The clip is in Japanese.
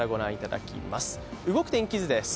動く天気図です。